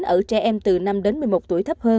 ở trẻ em từ năm đến một mươi một tuổi thấp hơn